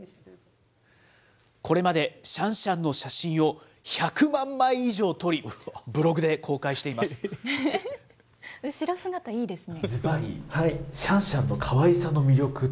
これまでシャンシャンの写真を１００万枚以上撮り、ブログで公開後ろ姿いいですね。